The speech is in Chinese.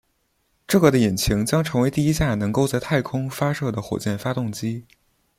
这个的引擎将成为第一架能够在太空发射的火箭发动机。